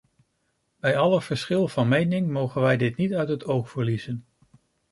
Bij alle verschil van mening mogen wij dit niet uit het oog verliezen.